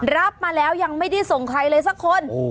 รับมาแล้วยังไม่ได้ส่งใครเลยสักคน